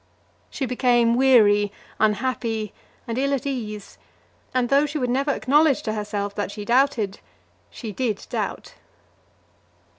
She became weary, unhappy, and ill at ease, and though she would never acknowledge to herself that she doubted, she did doubt.